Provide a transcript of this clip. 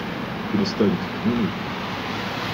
Перестаньте, не нужно!